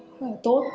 rất là tốt